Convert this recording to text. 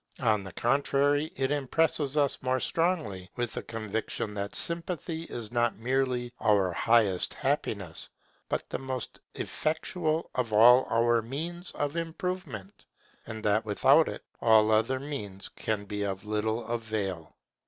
On the contrary, it impresses us more strongly with the conviction that Sympathy is not merely our highest happiness, but the most effectual of all our means of improvement; and that without it, all other means can be of little avail.